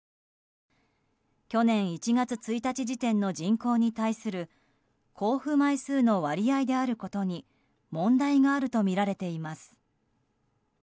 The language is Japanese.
去年１月１日時点の人口に対する交付枚数の割合であることに問題があるとみられています。